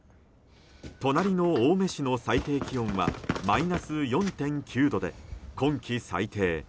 隣の青梅市の最低気温はマイナス４．９度で今季最低。